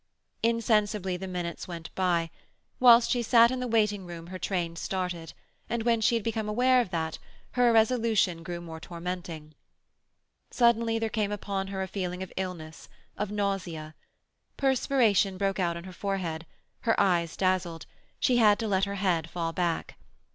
Insensibly the minutes went by. Whilst she sat in the waiting room her train started; and when she had become aware of that, her irresolution grew more tormenting. Suddenly there came upon her a feeling of illness, of nausea. Perspiration broke out on her forehead; her eyes dazzled; she had to let her head fall back.